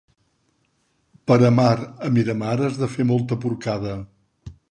Per amar a Miramar has de fer molta porcada.